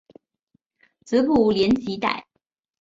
子卜怜吉歹。